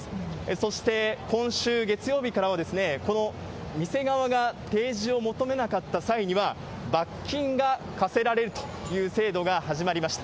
そして、今週月曜日からは、この店側が提示を求めなかった際には、罰金が科せられるという制度が始まりました。